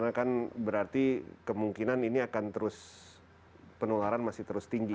jadi berarti kemungkinan ini akan terus penularan masih terus tinggi